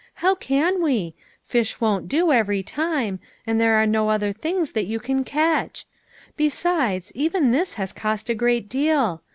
" How can we ? Fish won't do every time ; and there are no other things that you can catch. Besides, even this has cost a great deal.